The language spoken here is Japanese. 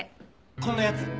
こんなやつ。